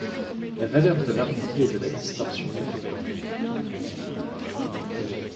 La valeur de l'arrondi est de la distorsion.